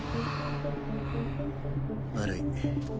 悪い。